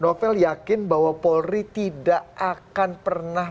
novel yakin bahwa polri tidak akan pernah